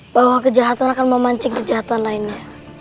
bahwa kejahatan akan memancing kejahatan lainnya